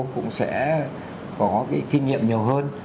cũng sẽ có cái kinh nghiệm nhiều hơn